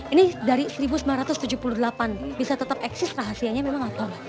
ini dari seribu sembilan ratus tujuh puluh delapan bisa tetap eksis rahasianya memang apa